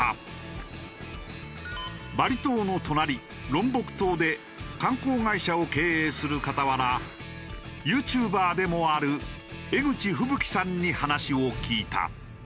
バリ島の隣ロンボク島で観光会社を経営する傍らユーチューバーでもある江口吹樹さんに話を聞いた。